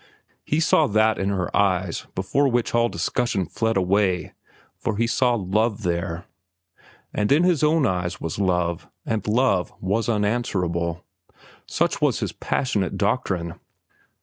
He saw that in her eyes before which all discussion fled away, for he saw love there. And in his own eyes was love; and love was unanswerable. Such was his passionate doctrine.